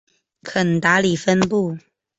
肯达里分布。